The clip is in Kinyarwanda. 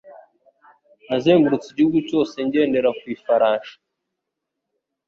Nazengurutse igihugu cyose ngendera ku ifarashi.